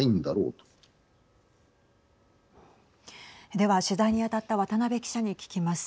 では取材に当たった渡辺記者に聞きます。